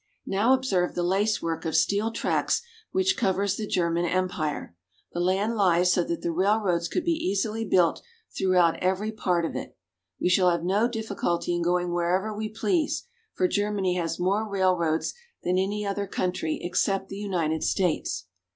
Now observe the lacework of steel tracks which covers the German Empire. The land lies so that railroads could be easily built throughout every part of it. We shall have no difficulty in going wherever we please, for Germany has more railroads than any other country except the United States.